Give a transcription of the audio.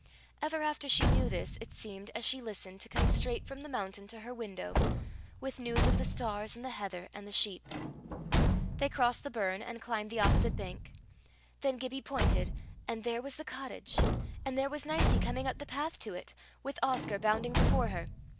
Ever after she knew this, it seemed, as she listened, to come straight from the mountain to her window, with news of the stars and the heather and the sheep. They crossed the burn and climbed the opposite bank. Then Gibbie pointed, and there was the cottage, and there was Nicie coming up the path to it, with Oscar bounding before her!